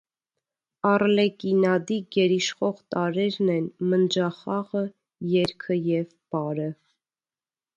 Առլեկինադի գերիշխող տարրերն են մնջախաղը, երգը և պարը։